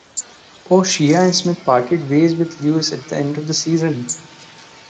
O'Shea and Smith parted ways with Lewes at the end of the season.